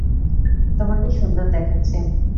তোমাকে সুন্দর দেখাচ্ছে।